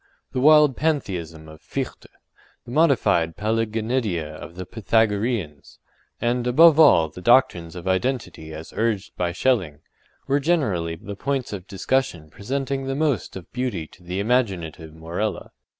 The wild Pantheism of Fichte; the modified Paliggenedia of the Pythagoreans; and, above all, the doctrines of Identity as urged by Schelling, were generally the points of discussion presenting the most of beauty to the imaginative Morella.